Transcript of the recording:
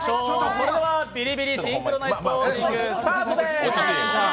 それでは「ビリビリシンクロナイスポージング」スタートです。